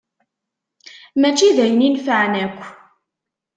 Mačči d ayen inefεen akk.